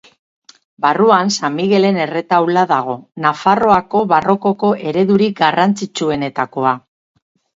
Barruan, San Migelen erretaula dago, Nafarroako barrokoko eredurik garrantzitsuenetakoa.